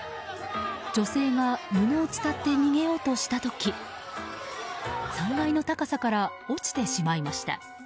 女性が布を伝って逃げようとした時３階の高さから落ちてしまいました。